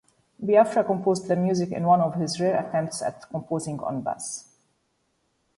Biafra composed the music in one of his rare attempts at composing on bass.